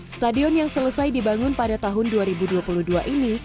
stadion yang selesai dibangun pada tahun dua ribu dua puluh dua ini